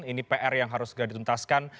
ini pr yang harus segera dituntaskan